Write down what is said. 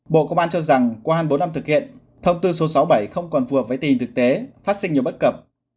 bộ công an cho rằng qua hơn bốn năm thực hiện thông tư số sáu mươi bảy không còn phù hợp với tình thực tế phát sinh nhiều bất cập